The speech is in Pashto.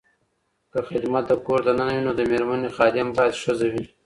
که خدمت د کور دننه وي، نو د ميرمني خادم بايد ښځه وي